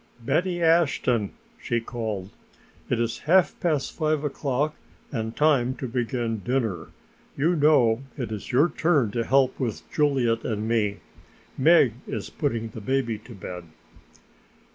"Betty Ashton," she called, "it is half past five o'clock and time to begin dinner. You know it is your turn to help with Juliet and me. Meg is putting the baby to bed."